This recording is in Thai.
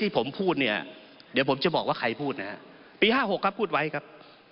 ผมพูดเนี่ยเดี๋ยวผมจะบอกว่าใครพูดนะฮะปี๕๖ครับพูดไว้ครับ